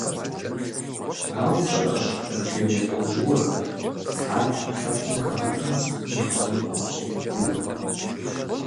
Ауэ щыӏэщ бактерие лӏэужьыгъуэхэр, ар ӏэпкълъэпкъым хэмытмэ цӏыхум и гъащӏэр гугъусыгъу хъууэ.